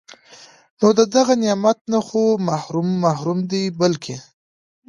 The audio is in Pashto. نو د دغه نعمت نه خو محروم محروم دی بلکي